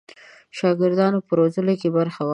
د شاګردانو په روزلو کې برخه واخلي.